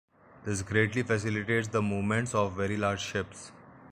This greatly facilitates the movements of very large ships.